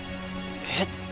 えっ！？